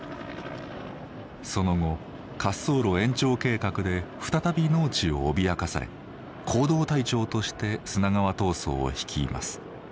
その後滑走路延長計画で再び農地を脅かされ行動隊長として砂川闘争を率います。